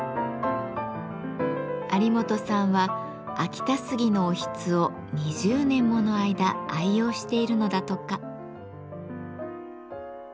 有元さんは秋田杉のおひつを２０年もの間愛用しているのだとか。